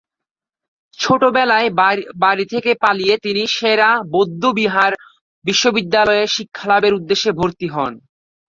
ছোট বেলায় বাড়ি থেকে পালিয়ে তিনি সে-রা বৌদ্ধবিহার বিশ্ববিদ্যালয়ে শিক্ষালাভের উদ্দেশ্যে ভর্তি হন।